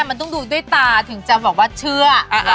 มันต้องดูด้วยตาถึงจะบอกว่าเชื่อ